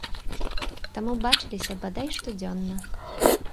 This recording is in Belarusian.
Таму бачыліся, бадай, штодзённа.